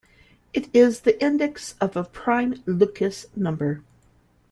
It is the index of a prime Lucas number.